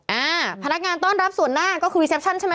อ่าพนักงานต้อนรับส่วนหน้าก็คือรีเซปชั่นใช่ไหม